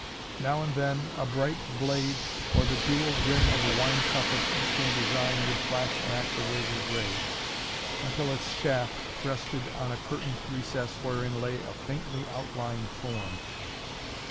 Now and then a bright blade or the jewelled rim of a wine cup of eastern design would flash back the wayward ray, until its shaft rested on a curtained recess wherein lay a faintly outlined form.